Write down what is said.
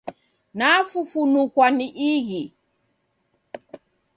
Nafufunukwa ni ighi!